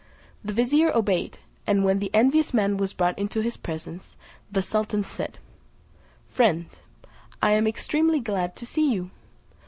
The vizier obeyed, and when the envious man was brought into his presence, the sultan said, "Friend, I am extremely glad to see you."